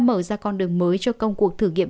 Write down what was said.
mở ra con đường mới cho công cuộc thử nghiệm